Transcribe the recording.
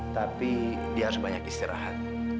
tapi dia harus banyak istirahat